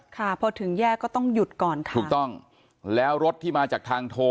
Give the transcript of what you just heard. ค่ะพอถึงแยกก็ต้องหยุดก่อนค่ะถูกต้องแล้วรถที่มาจากทางโท